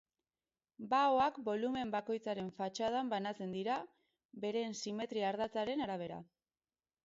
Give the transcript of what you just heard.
Baoak bolumen bakoitzaren fatxadan banatzen dira beren simetria-ardatzaren arabera.